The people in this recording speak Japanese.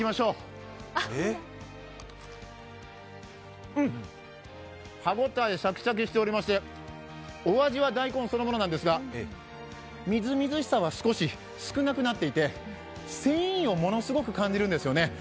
うん、歯ごたえシャキシャキしておりましてお味は大根そのものなんですがみずみずしさは少し少なくなっていて繊維をものすごく感じるんですよね。